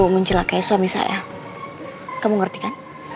aku menjelakai suami saya kamu ngerti kan